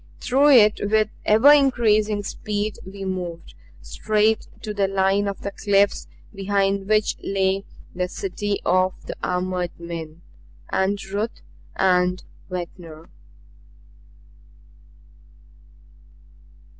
Through it with ever increasing speed we moved, straight to the line of the cliffs behind which lay the city of the armored men and Ruth and Ventnor.